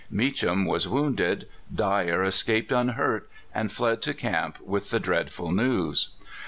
Meacham was wounded. Dyar escaped unhurt, and fled to camp with the dreadful news.